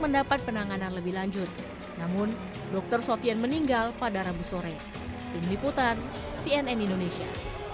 cepat penanganan lebih lanjut namun dokter sofyan meninggal pada rabu sore di meliputan cnn indonesia